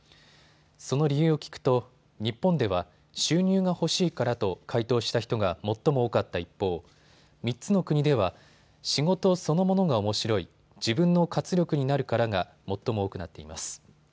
その理由を聞くと日本では収入が欲しいからと回答した人が最も多かった一方、３つの国では仕事そのものがおもしろい、自分の活力になるからが最も多くなっています。